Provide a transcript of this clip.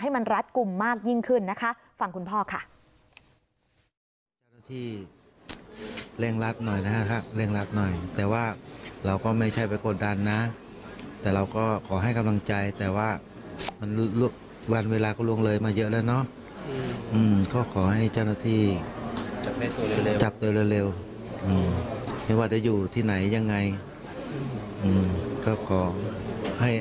มันรัดกลุ่มมากยิ่งขึ้นนะคะฟังคุณพ่อค่ะ